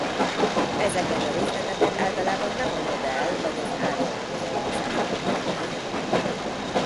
Ezeket a részleteket általában nem a modell vagy az általános módszertan diktálja.